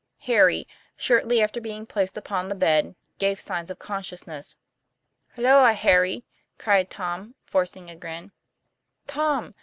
Harry, shortly after being placed upon the bed, gave signs of consciousness. " Halloa, Harry," cried Tom, forcing a grin. ' Tom